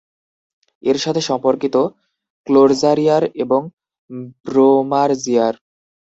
এর সাথে সম্পর্কিত ক্লোর্যাজিয়ার এবং ব্রোমারজিয়ার।